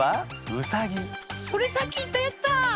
それさっき言ったやつだ。